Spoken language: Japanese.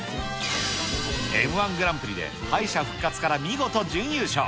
Ｍー１グランプリで敗者復活から見事、準優勝。